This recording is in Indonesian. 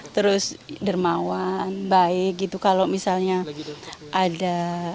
terus dermawan baik gitu kalau misalnya ada